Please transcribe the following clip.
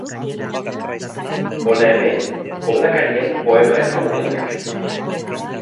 Hona hemen hemen koblakarien poema ezagunenak.